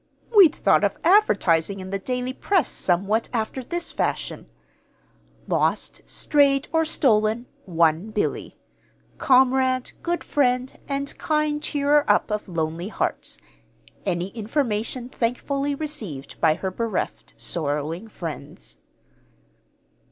"We'd thought of advertising in the daily press somewhat after this fashion: 'Lost, strayed, or stolen, one Billy; comrade, good friend, and kind cheerer up of lonely hearts. Any information thankfully received by her bereft, sorrowing friends.'"